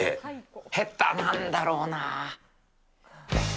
下手なんだろうな。